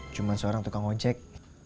cuma seorang tukang ojek